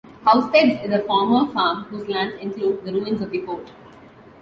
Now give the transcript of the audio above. Housesteads is a former farm whose lands include the ruins of the fort.